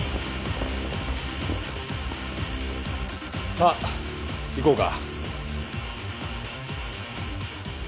さあ行こうか。